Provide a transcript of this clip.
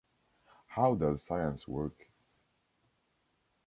How does science work.